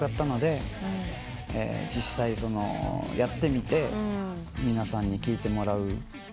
実際やってみて皆さんに聴いてもらう。